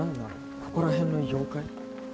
ここら辺の妖怪？